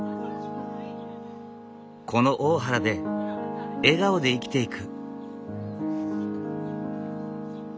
この大原で笑顔で生きていく。